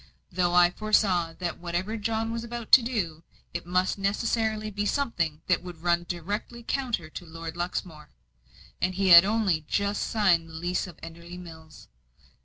Though I foresaw that whatever John was about to do, it must necessarily be something that would run directly counter to Lord Luxmore and he had only just signed the lease of Enderley Mills.